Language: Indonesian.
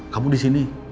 kamu di sini